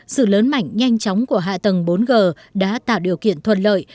sự lớn mảnh nhanh chóng của hạ tầng bốn g đã tạo điều kiện thuận lợi